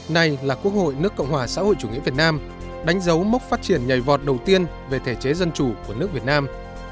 này là quốc hội nước cộng hòa xã hội chủ nghĩa việt nam đánh dấu mốc phát triển nhảy vọt đầu tiên về thể chế dân chủ của nước việt nam